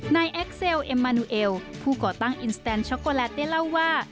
นายแอคเซลเอมมานูเอลผู้ก่อตั้งช็อกโกแลตได้เล่าว่า